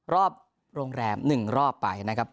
รอบโรงแรม๑รอบไปนะครับ